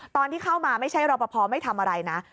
ตอนที่เข้ามาไม่ใช่รอปภไม่ทำอะไรนะ